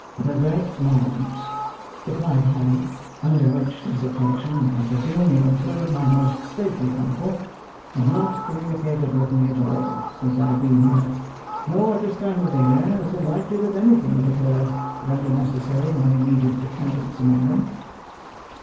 "The great nobs," replied Harry, "under which designation, I presume, you include my most stately uncle, have not communicated with me at all, since I have been here; nor, at this time of the year, is it likely that anything would occur to render necessary my immediate attendance among them."